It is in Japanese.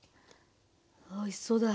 あおいしそうだ。